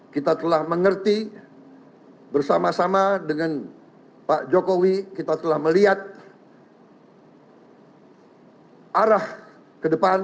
kita telah mengerti bersama sama dengan pak jokowi kita telah melihat arah ke depan